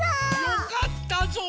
よかったぞう。